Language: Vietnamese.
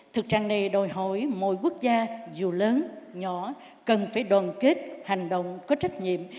thực trạng này đòi hỏi mỗi quốc gia dù lớn nhỏ cần phải đoàn kết hành động có trách nhiệm